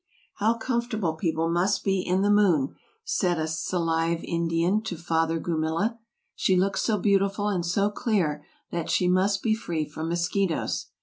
" How comfortable people must be in the moon! " said a Salive Indian to Father Gumilla. " She looks so beautiful and so clear, that she must be free from mosquitoes."